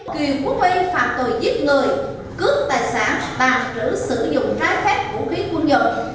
kiều quốc huy phạt tội giết người cướp tài sản tàng trữ sử dụng trái phép vũ khí quân dụng